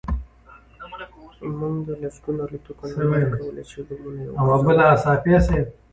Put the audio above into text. موږ د لسګونو الوتکو ننداره کوله چې بمونه یې غورځول